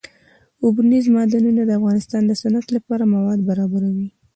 اوبزین معدنونه د افغانستان د صنعت لپاره مواد برابروي.